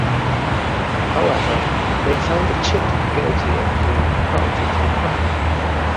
However, they found Chit guilty of being party to the crime.